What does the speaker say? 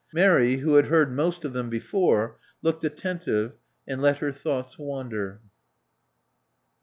Mary, who had heard most of them before, looked attentive and let her thoughts wander.